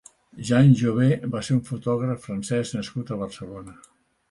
Jean Jové va ser un fotògraf francès nascut a Barcelona.